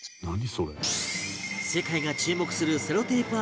世界が注目するセロテープ